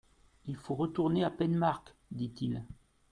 Il faut retourner à Penmarckh ! dit-il.